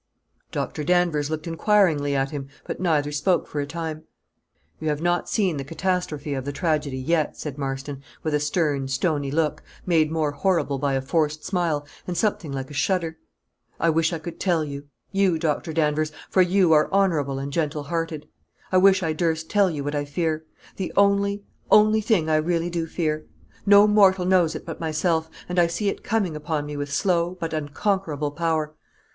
Doctor Danvers looked inquiringly at him; but neither spoke for a time. "You have not seen the catastrophe of the tragedy yet," said Marston, with a stern, stony look, made more horrible by a forced smile and something like a shudder. "I wish I could tell you you, Doctor Danvers for you are honorable and gentle hearted. I wish I durst tell you what I fear; the only, only thing I really do fear. No mortal knows it but myself, and I see it coming upon me with slow, but unconquerable power.